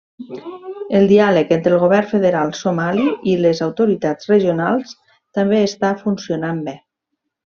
El diàleg entre el govern federal somali i les autoritats regionals també està funcionant bé.